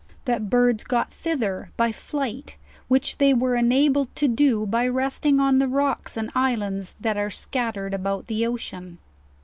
That birds got thither by flight; which they were enabled to do by resting on the rocks and islands that are scattered about the ocean.